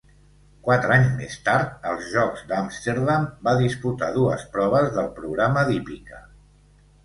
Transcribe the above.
Quatre anys més tard, als Jocs d'Amsterdam, va disputar dues proves del programa d'hípica.